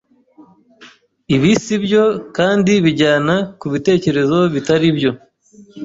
Ibi si byo kandi bijyana ku bitekerezo bitari byo